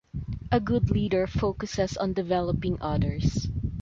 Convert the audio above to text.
A good leader focuses on developing others.